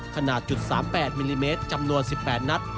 ขนาด๓๘มิลลิเมตรจำนวน๑๘นัด